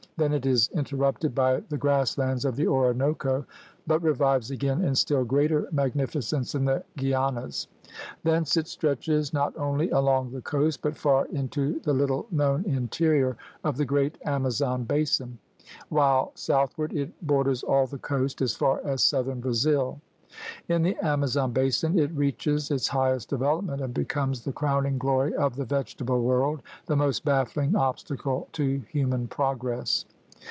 Then it is interrupted by the grass lands of the Orinoco, but revives again in still greater magnificence in the Guianas. Thence it stretches not only along the coast but far into the little known interior of the Great Amazon basin. 100 THE RED MAN'S CONTINENT while southward it borders all the coast as far as southern Brazil. In the Amazon basin it reaches its highest development and becomes the crowning glory of the vegetable world, the most baffling obstacle to human progress.